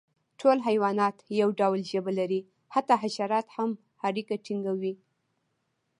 ټول حیوانات یو ډول ژبه لري، حتی حشرات هم اړیکه ټینګوي.